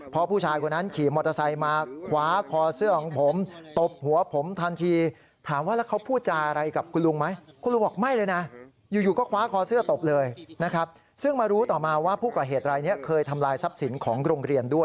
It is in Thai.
พอผู้ชายคนนั้นขี่มอเตอร์ไซส์มาขวาคอเสื้อของผม